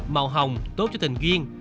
màu hồng tốt cho tình duyên